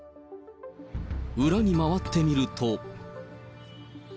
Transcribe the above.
裏に回ってみると。